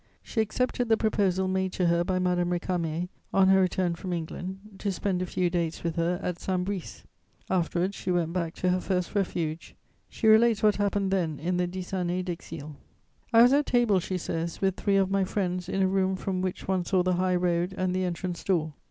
She accepted the proposal made to her by Madame Récamier, on her return from England, to spend a few days with her at Saint Brice; afterwards she went back to her first refuge. She relates what happened then, in the Dix années d'exil: "I was at table," she says, "with three of my friends in a room from which one saw the high road and the entrance door.